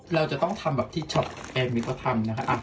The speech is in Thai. เราจะต้องทำแบบที่ช็อปแอม